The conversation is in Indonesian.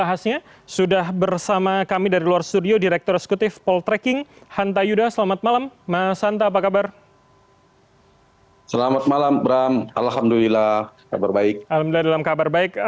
alhamdulillah kabar baik